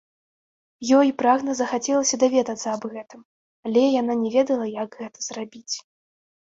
Ёй прагна захацелася даведацца аб гэтым, але яна не ведала, як гэта зрабіць.